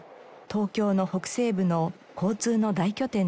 東京の北西部の交通の大拠点です。